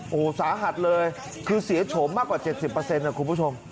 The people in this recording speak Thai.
โอ้โหสาหัสเลยคือเสียโฉมมากกว่า๗๐นะคุณผู้ชม